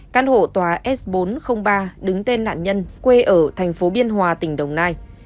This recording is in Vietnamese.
căn hộ tòa s bốn trăm linh ba đứng tên nạn nhân quê ở thành phố biên hòa tỉnh đồng nai